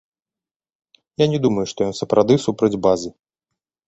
Я не думаю, што ён сапраўды супраць базы.